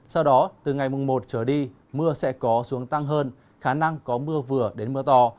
sau đó từ ngày mùng một trở đi mưa sẽ có xuống tăng hơn khả năng có mưa vừa đến mưa to